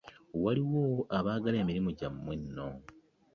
Waliwo abaagala emirimu gyammwe nno.